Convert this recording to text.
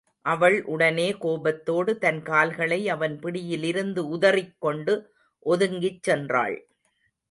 அவள் உடனே கோபத்தோடு தன் கால்களை அவன் பிடியிலிருந்து உதறிக் கொண்டு ஒதுங்கிச் சென்றாள்.